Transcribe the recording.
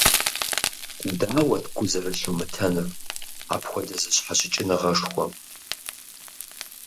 Дауэт гу зэрылъумытэнур апхуэдэ зэщхьэщыкӀыныгъэшхуэм?